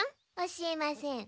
教えません。